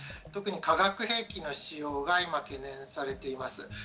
特に化学兵器の使用が今、懸念されています。